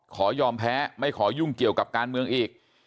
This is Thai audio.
ขอยอมแพ้ไม่ขอยุ่งเกี่ยวกับการเมืองอีก